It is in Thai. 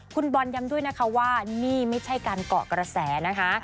คุณบอลย้ำด้วยนะคะว่านี่ไม่ใช่การเกาะกระแสนะคะ